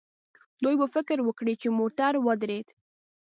دوی به فکر وکړي چې موټر ودرېد.